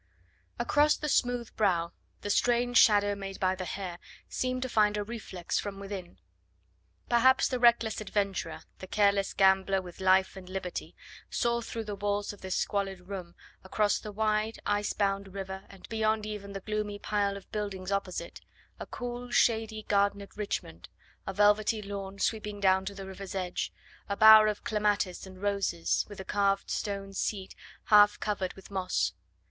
Across the smooth brow the strange shadow made by the hair seemed to find a reflex from within. Perhaps the reckless adventurer, the careless gambler with life and liberty, saw through the walls of this squalid room, across the wide, ice bound river, and beyond even the gloomy pile of buildings opposite, a cool, shady garden at Richmond, a velvety lawn sweeping down to the river's edge, a bower of clematis and roses, with a carved stone seat half covered with moss.